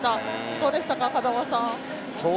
どうでしたか、風間さん。